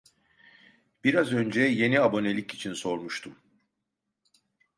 Biraz önce yeni abonelik için sormuştum